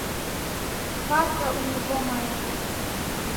Хватка у него моя.